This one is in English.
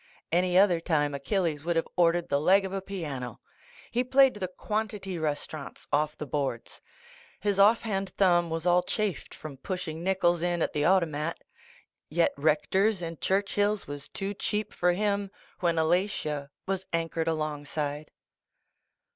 Any other time Achilles would have or dered the leg of a piano. He played the "quantity" restaurants off the boards. His off hand thumb was all chafed from push ing nickels in at the automat — yet Rector's and Churchill's was too cheap for him when Alatia was anchored alongside.